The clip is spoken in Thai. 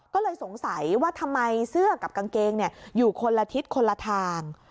ก็เลยสงสัยว่าทำไมเสื้อกับกางเกงอยู่คนละทิศคนละทาง